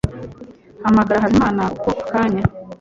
hamagara habimana ako kanya